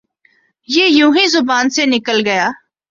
یہ یونہی زبان سے نکل گیا